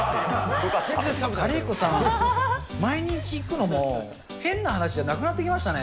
カリー子さんが毎日いくのも、変な話じゃなくなってきましたね。